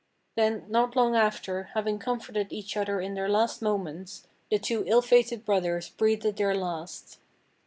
Then, not long after, having comforted each other in their last moments, the two ill fated brothers breathed their last.